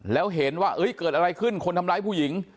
แล้วเห็นว่าเกิดอะไรขึ้นคนทำร้ายผู้หญิง